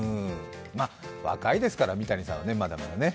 若いですから、三谷さんは、まだまだね。